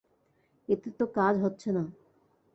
এতে তো কাজ হচ্ছে না।